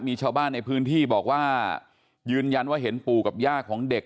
มีชาวบ้านในพื้นที่บอกว่ายืนยันว่าเห็นปู่กับย่าของเด็ก